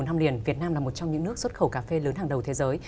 năm liền việt nam là một trong những nước xuất khẩu cà phê lớn hàng đầu thế giới